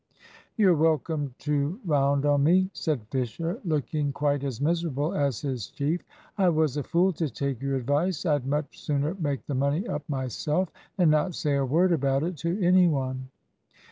"You're welcome to round on me," said Fisher, looking quite as miserable as his chief. "I was a fool to take your advice. I'd much sooner make the money up myself, and not say a word about it to any one."